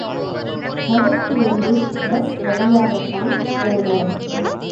மதுரையிலிருந்து பஸ் வழியாகத்தான் போனோம்.